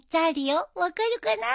分かるかな？